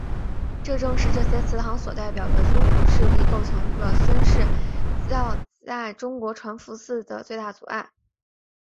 但正是这些祠堂所代表的宗族势力构成了宣教士在中国传福音的最大障碍。